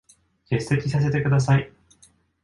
欠席させて下さい。